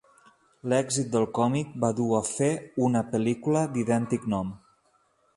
L'èxit del còmic va dur a fer una pel·lícula d'idèntic nom.